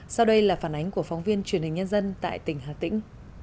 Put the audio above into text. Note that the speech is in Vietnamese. sau đây là phản ánh của phóng viên truyền hình nhân dân tại tỉnh hà tĩnh